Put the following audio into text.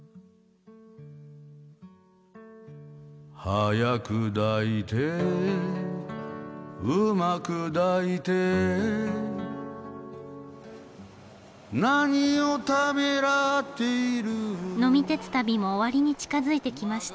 「早く抱いて」「うまく抱いて」「何をためらっているの」呑み鉄旅も終わりに近づいてきました。